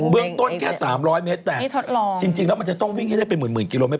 เมืองต้นแค่๓๐๐เมตรแต่จริงแล้วมันจะต้องวิ่งให้ได้เป็นหมื่นกิโลเมต